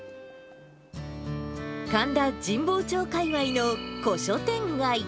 神田神保町界わいの古書店街。